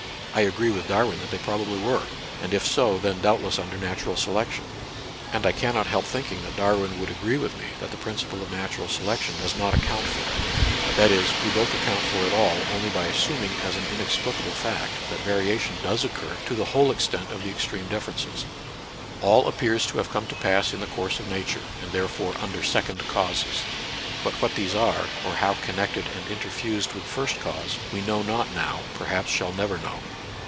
I agree with Darwin that they prob ably were, and if so then doubtless under nat ural selection. And I cannot help thinking that Darwin would agree with me that the principle of natural selection does not account for it. That is, we both account for it all, only by assuming fis an inexplicable fact that variation does occur NATURAL SCIENCE AND RELIGION. 77 to the whole extent of the extreme differences. All appears to have come to pass in the course of Nature, and therefore under second causes; but what these are, or how connected and inter fused with first cause, we know not now, per haps shall never know.